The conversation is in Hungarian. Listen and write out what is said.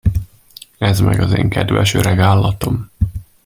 Ez meg az én kedves öreg állatom.